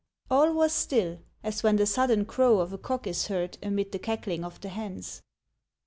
All wras still, as when the sudden crow of a cock is heard amid the cackling of the hens.